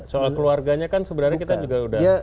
soal keluarganya kan sebenarnya kita juga udah